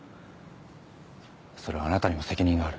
それはあなたにも責任がある。